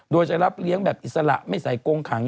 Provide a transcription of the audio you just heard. โดยจะรับเลี้ยงแบบอิสระไม่ใส่โกงขัง